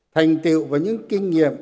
thành tiệu và những kinh nghiệm